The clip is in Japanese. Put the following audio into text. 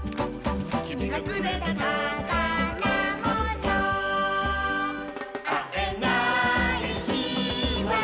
「きみがくれたたからもの」「あえないひはゆめのなか」